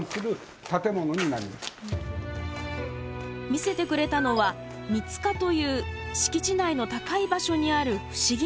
見せてくれたのは水塚という敷地内の高い場所にある不思議な建物。